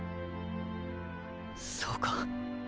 そうか。